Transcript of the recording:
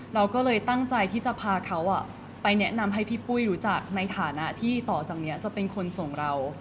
เราก็เลยตั้งใจที่จะพาเขาไปแนะนำให้พี่ปุ้ยรู้จักในฐานะที่ต่อจากนี้จะเป็นคนส่งเรา